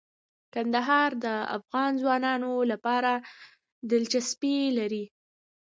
کندهار د افغان ځوانانو لپاره دلچسپي لري.